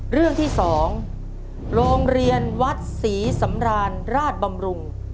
เรื่องที่๒โรงเรียนวัดศรีสำราญราชบำรุง